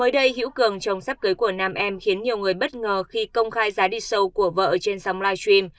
cây hữu cường trong sắp cưới của nam em khiến nhiều người bất ngờ khi công khai giá đi sâu của vợ trên sóng live stream